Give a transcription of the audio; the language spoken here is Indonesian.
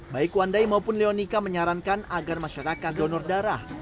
baik wandai maupun leonica menyarankan agar masyarakat donor darah